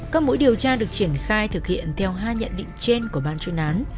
các mũi điều tra được triển khai thực hiện theo hai nhận định trên của ban chuyên án